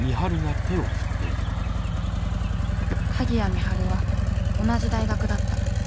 鍵谷美晴は同じ大学だった。